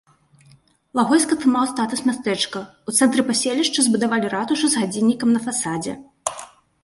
Лагойск атрымаў статус мястэчка, у цэнтры паселішча збудавалі ратушу з гадзіннікам на фасадзе.